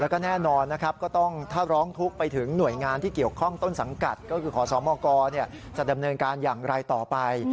กับวิญญาณของผู้ตายเขาด้วย